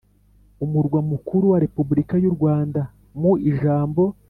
umurwa mukuru wa Repubulika y’u Rwanda, mu ijambo